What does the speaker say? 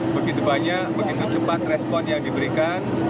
begitu banyak begitu cepat respon yang diberikan